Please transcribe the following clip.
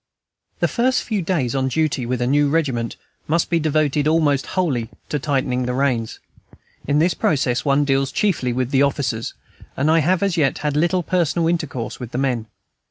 The first few days on duty with a new regiment must be devoted almost wholly to tightening reins; in this process one deals chiefly with the officers, and I have as yet had but little personal intercourse with the men.